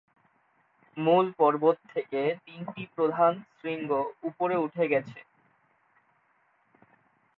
মূল পর্বত থেকে তিনটি প্রধান শৃঙ্গ উপরে উঠে গেছে।